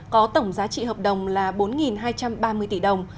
có tổng giá trị hợp đồng là bốn hai trăm ba mươi tỷ đồng